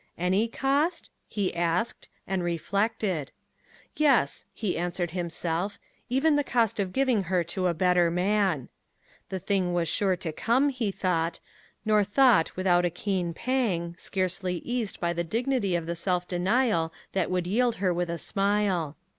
Any cost? he asked and reflected. Yes, he answered himself even the cost of giving her to a better man. The thing was sure to come, he thought nor thought without a keen pang, scarcely eased by the dignity of the self denial that would yield her with a smile.